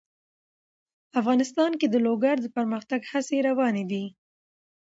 افغانستان کې د لوگر د پرمختګ هڅې روانې دي.